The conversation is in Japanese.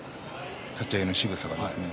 立ち合いのしぐさがですよね